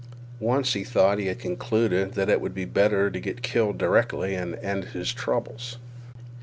Once he thought he had concluded that it would be better to get killed directly and end his troubles.